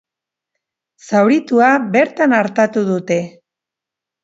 Zauritua bertan artatu dute.